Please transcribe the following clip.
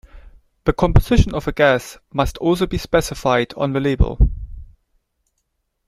The composition of the gas must also be specified on the label.